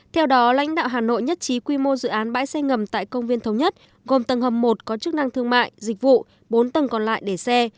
theo đó lãnh đạo hà nội nhất trí quy mô dự án bãi xe ngầm tại công viên thống nhất gồm tầng hầm một có chức năng thương mại dịch vụ bốn tầng còn lại để xe